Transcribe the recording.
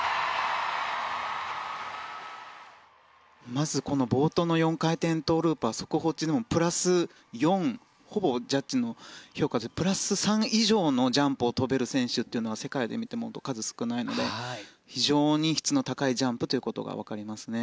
まずこの冒頭の４回転トウループは速報値でもプラス４ほぼジャッジの評価でプラス３以上のジャンプを跳べる選手っていうのは世界で見ても本当に数少ないので非常に質の高いジャンプということがわかりますね。